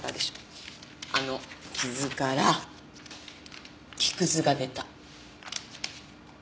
あの傷から木くずが出た。